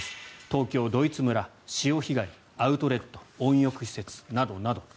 東京ドイツ村、潮干狩りアウトレット温浴施設などなど。